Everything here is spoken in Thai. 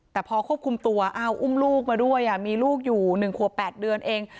แต่พอควบคุมตัวอ้าวอุ้มลูกมาด้วยมีลูกอยู่๑ขวบ๘เดือนเอง